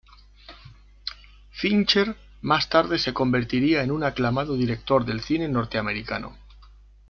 Fincher más tarde se convertiría en un aclamado director del cine norteamericano.